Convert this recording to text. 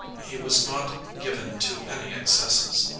He was not given to any excesses.